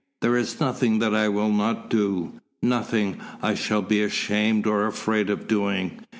There is nothing that I will not do, nothing I shall be ashamed or afraid of doing.